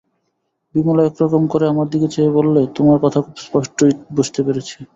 বিমলা এক-রকম করে আমার দিকে চেয়ে বললে, তোমার কথা খুব স্পষ্টই বুঝতে পেরেছি।